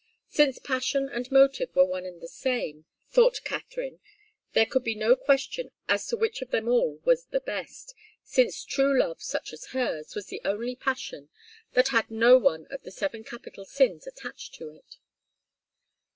Since passion and motive were one and the same, thought Katharine, there could be no question as to which of them all was the best, since true love such as hers was the only passion that had no one of the seven capital sins attached to it.